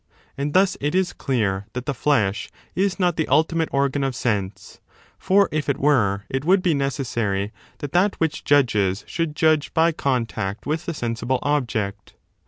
And thus it is clear that 11 the flesh is not the ultimate organ of sense; for, if it were, it would be necessary that that which judges should judge by contact with the sensible object.